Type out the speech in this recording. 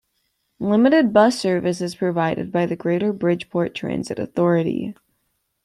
Limited bus service is provided by the Greater Bridgeport Transit Authority.